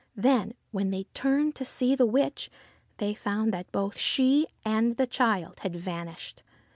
Then, when they turned to see to the witch, they found that both she and the child had vanished.